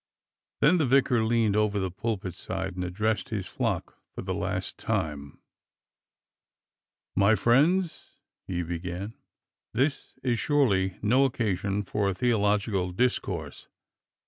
Then the vicar leaned over the pulpit side and addressed his flock for the last time: "My friends," he began, "this is surely no occasion HOLDING THE PULPIT 281 for a theological discourse.